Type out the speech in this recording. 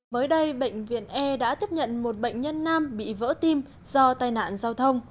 mới đây bệnh viện e đã tiếp nhận một bệnh nhân nam bị vỡ tim do tai nạn giao thông